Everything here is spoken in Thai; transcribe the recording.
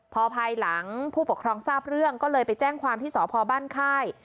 พอภายหลังผู้ปกครองทราบเรื่องก็เลยไปแจ้งความที่สพบ้านค่าย